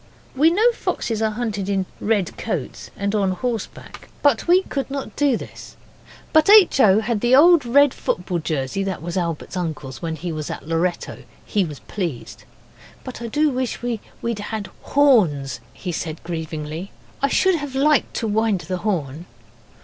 We know foxes are hunted in red coats and on horseback but we could not do this but H. O. had the old red football jersey that was Albert's uncle's when he was at Loretto. He was pleased. 'But I do wish we'd had horns,' he said grievingly. 'I should have liked to wind the horn.